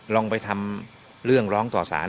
ลองไปทำเรื่องร้องต่อสาร